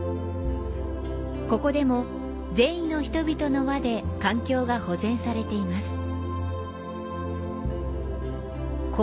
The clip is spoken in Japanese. ここでも善意の人々の輪で環境が保全されています。